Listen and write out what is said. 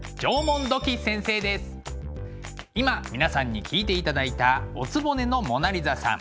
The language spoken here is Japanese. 今皆さんに聴いていただいた「お局のモナ・リザさん」。